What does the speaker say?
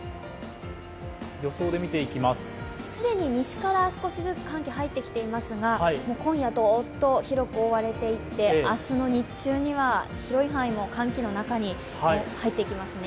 既に西から寒気、入ってきていますが、もう今夜どっと広く覆われていって、明日の日中には広い範囲が寒気の中に入っていきますね。